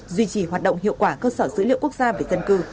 duy trì hoạt động hiệu quả cơ sở dữ liệu quốc gia về dân cư